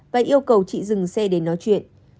và yêu cầu chị dừng xe để nói chuyện